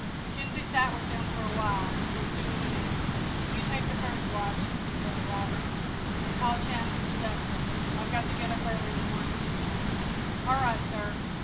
Mackenzie sat with them for a while, but soon went in. "You take the first watch," he said to Robert, "and call Chan for the second. I've got to get up early in the morning, anyway." "All right, sir."